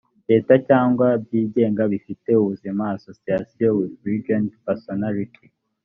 leta cyangwa byigenga bifite ubuzima associations with legal personality